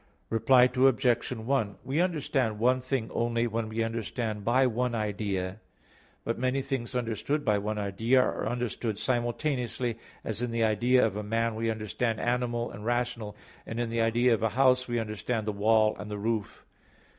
Reply Obj. 1: We understand one thing only when we understand by one idea; but many things understood by one idea are understood simultaneously, as in the idea of a man we understand "animal" and "rational"; and in the idea of a house we understand the wall and the roof.